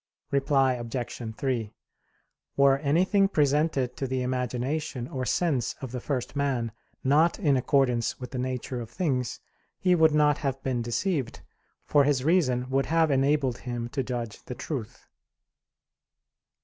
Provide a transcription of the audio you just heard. Reply Obj. 3: Were anything presented to the imagination or sense of the first man, not in accordance with the nature of things, he would not have been deceived, for his reason would have enabled him to judge the truth.